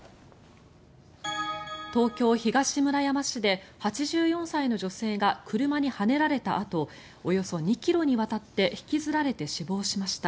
東京・東村山市で８４歳の女性が車にはねられたあとおよそ２ｋｍにわたって引きずられて死亡しました。